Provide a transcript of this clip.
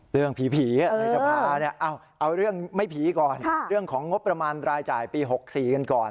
เรื่องผีในสภาเอาเรื่องไม่ผีก่อนเรื่องของงบประมาณรายจ่ายปี๖๔กันก่อน